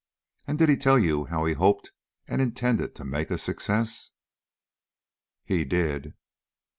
"And did he tell you how he hoped and intended to make a success?" "He did."